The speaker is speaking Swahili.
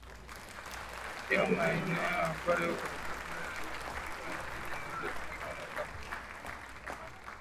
wakitokea maeneo ambayo kwa sasa yako katika nchi zinazojulikana kama Misri na Libya